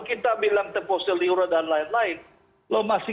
kita bilang tepo seliru dan lain lain